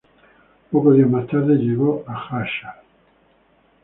Pocos días más tarde llegó a Jáchal.